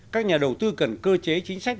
các nhà đầu tư cần cơ chế chính sách